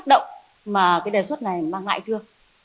động mà cái đề xuất này mang lại chưa